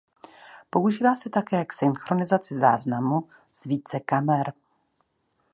Používá se také k synchronizaci záznamu z více kamer.